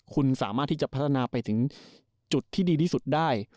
คุณสามารถที่จะพัฒนาไปถึงจุดที่ดีที่สุดได้